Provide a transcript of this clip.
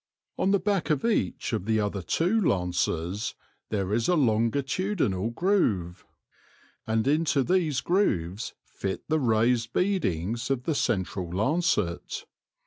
On the back of each of the other two lances there is a longitudinal groove, and into these grooves lit the raised headings of the central lancet.